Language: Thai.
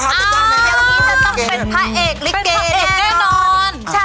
พ่มโผออกมาจากฉาก